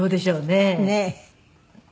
ねえ。